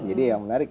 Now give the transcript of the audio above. jadi yang menarik